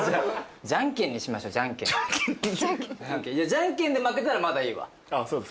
じゃんけんで負けたらまだいいわ。